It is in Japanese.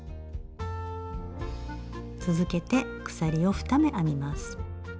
続けて鎖を２目編みます。